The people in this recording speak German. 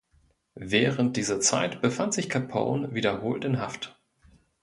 Während dieser Zeit befand sich Capone wiederholt in Haft.